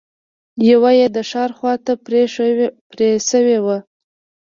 يوه يې د ښار خواته پرې شوې وه.